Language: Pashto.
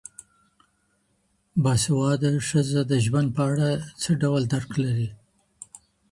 باسواده ښځه د ژوند په اړه څه ډول درک لري؟